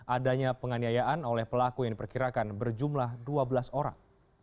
adanya penganiayaan oleh pelaku yang diperkirakan berjumlah dua belas orang